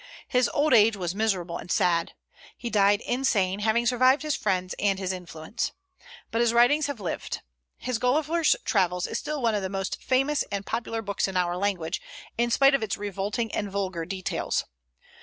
His old age was miserable and sad. He died insane, having survived his friends and his influence. But his writings have lived. His "Gulliver's Travels" is still one of the most famous and popular books in our language, in spite of its revolting and vulgar details.